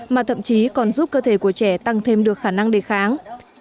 mà thậm chí còn giúp cơ thể của trẻ tăng thêm được khả năng đề kháng